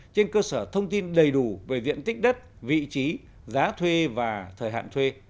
trên cơ sở thông tin đầy đủ về diện tích đất vị trí giá thuê và thời hạn thuê